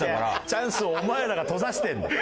チャンスをお前らが閉ざしてるんだよ。